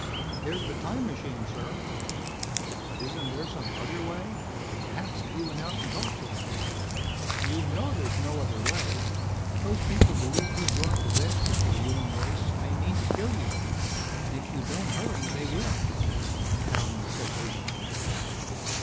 "There's the time machine, sir." "But isn't there some other way? Perhaps if you went out and talked to them...." "You know there's no other way. Those people believe you've brought disaster to the human race and they mean to kill you. And if you don't hurry they will," Towney said urgently.